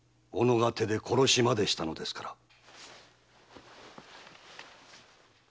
己が手で殺しまでしたのですから。